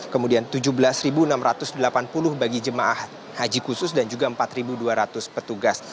kemudian tujuh belas enam ratus delapan puluh bagi jemaah haji khusus dan juga empat dua ratus petugas